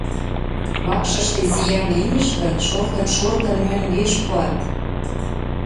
— Вакшыште зиян лиеш гын, шортын-шортын, мӧҥгеш пуат.